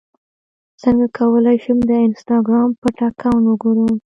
څنګه کولی شم د انسټاګرام پټ اکاونټ وګورم